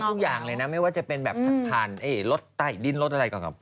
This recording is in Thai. แล้วก็ทุกอย่างเลยนะไม่ว่าจะเป็นแบบถัดผ่านรถไตดินรถอะไรก่อนก่อน